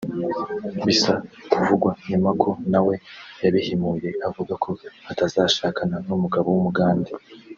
bisa kuvugwa nyuma ko nawe yabihimuye avuga ko atazashakana n’umugabo w’umugande